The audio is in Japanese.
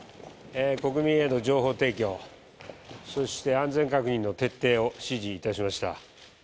国民への情報提供そして安全確認の徹底を指示いたしました。